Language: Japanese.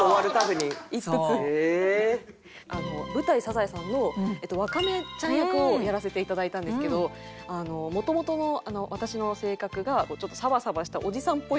舞台『サザエさん』のワカメちゃん役をやらせていただいたんですけどもともとの私の性格がちょっと。